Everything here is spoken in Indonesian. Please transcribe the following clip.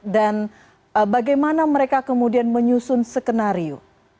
dan bagaimana mereka kemudian menyusun skenario